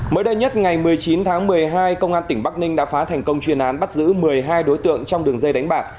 mới đây nhất ngày một mươi chín tháng một mươi hai công an tỉnh bắc ninh đã phá thành công chuyên án bắt giữ một mươi hai đối tượng trong đường dây đánh bạc